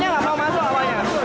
agak kasar sih mereka